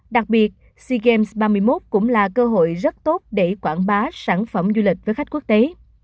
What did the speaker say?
đặc biệt sea games ba mươi một cũng là cơ hội rất tốt để quảng bá sản phẩm du lịch với khách quốc tế